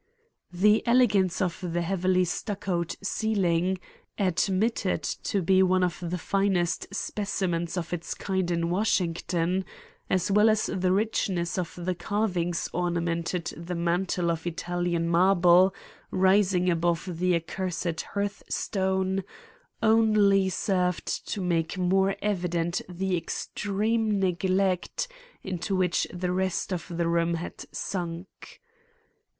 The elegance of the heavily stuccoed ceiling, admitted to be one of the finest specimens of its kind in Washington, as well as the richness of the carvings ornamenting the mantel of Italian marble rising above the accursed hearthstone, only served to make more evident the extreme neglect into which the rest of the room had sunk.